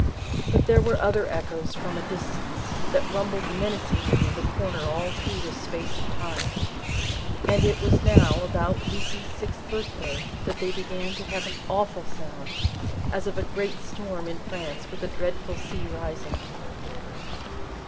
But, there were other echoes, from a distance, that rumbled menacingly in the corner all through this space of time. And it was now, about little Lucie's sixth birthday, that they began to have an awful sound, as of a great storm in France with a dreadful sea rising.